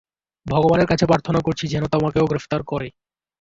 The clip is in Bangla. ভগবানের কাছে প্রার্থনা করছি, যেন তোমাকে গ্রেফতার করে।